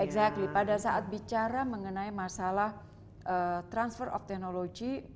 exactly pada saat bicara mengenai masalah transfer of technology